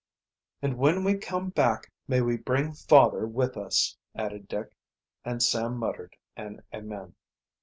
"And when we come back may we bring father with us," added Dick, and Sam muttered an amen.